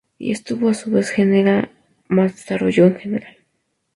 Y esto a su vez genera más desarrollo en general.